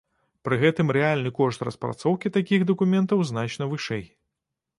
Пры гэтым рэальны кошт распрацоўкі такіх дакументаў значна вышэй.